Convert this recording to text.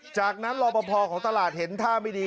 จากนั้นรอปภของตลาดเห็นท่าไม่ดี